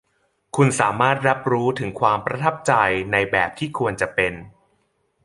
คุณสามารถรับรู้ถึงความประทับใจในแบบที่ควรจะเป็น